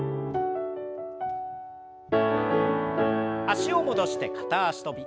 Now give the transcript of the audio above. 脚を戻して片脚跳び。